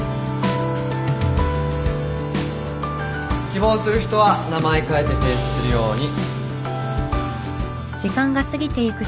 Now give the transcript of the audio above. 希望する人は名前書いて提出するように。